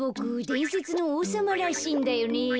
でんせつのおうさまらしいんだよねえ。